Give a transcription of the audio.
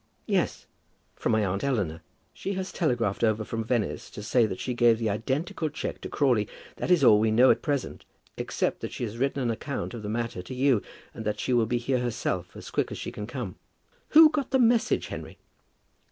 "Yes; from my aunt Eleanor. She has telegraphed over from Venice to say that she gave the identical cheque to Crawley. That is all we know at present, except that she has written an account of the matter to you, and that she will be here herself as quick as she can come." "Who got the message, Henry?"